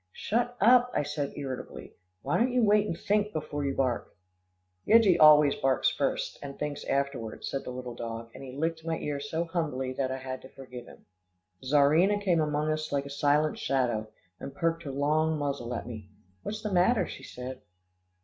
"Shut up," I said irritably. "Why don't you wait and think, before you bark?" "Yeggie always barks first, and thinks afterward," said the little dog, and he licked my ear so humbly, that I had to forgive him. Czarina came among us like a silent shadow, and poked her long muzzle at me. "What's the matter?" she said.